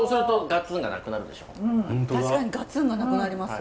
確かにガツンがなくなります！